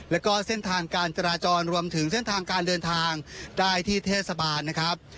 แล้วก็เส้นทางการจราจรรวมถึงเส้นทางการเดินทางได้ที่เทศบาลนะครับ